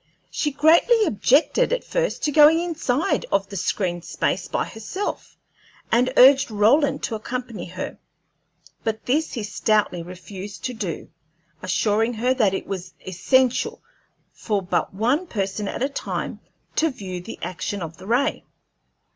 She greatly objected at first to going inside of the screened space by herself, and urged Roland to accompany her; but this he stoutly refused to do, assuring her that it was essential for but one person at a time to view the action of the ray.